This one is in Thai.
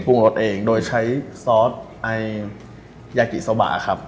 ปรุงรสเองโดยใช้ซอสยากิโซบาครับ